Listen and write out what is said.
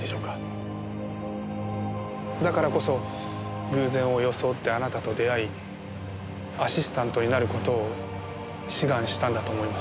だからこそ偶然を装ってあなたと出会いアシスタントになる事を志願したんだと思います。